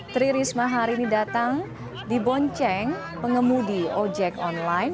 tri risma hari ini datang di bonceng pengemudi ojek online